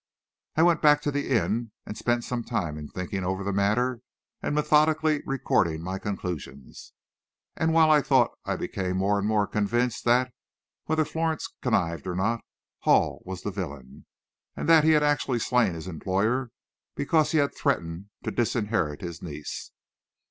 I went back to the inn, and spent some time in thinking over the matter, and methodically recording my conclusions. And, while I thought, I became more and more convinced that, whether Florence connived or not, Hall was the villain, and that he had actually slain his employer because he had threatened to disinherit his niece.